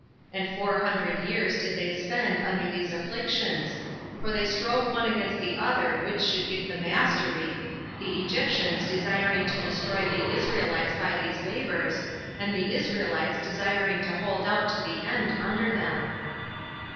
And four hundred years did they spend under these afflictions; for they strove one against the other which should get the mastery, the Egyptians desiring to destroy the Israelites by these labors, and the Israelites desiring to hold out to the end under them.